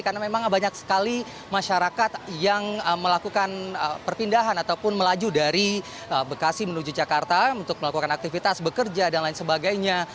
karena memang banyak sekali masyarakat yang melakukan perpindahan ataupun melaju dari bekasi menuju jakarta untuk melakukan aktivitas bekerja dan lain sebagainya